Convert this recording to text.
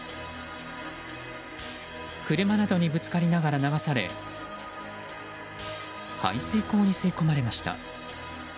車などにぶつかりながら流され排水溝に吸い込まれました。